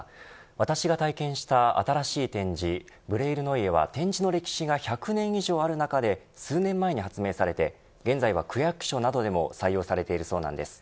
私が体験した新しい点字ブレイルノイエは点字の歴史が１００年以上ある中で数年前に発明されて現在は区役所などでも採用されているそうなんです。